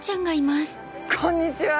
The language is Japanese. こんにちは。